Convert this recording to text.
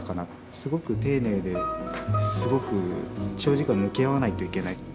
すごく丁寧ですごく長時間向き合わないといけない。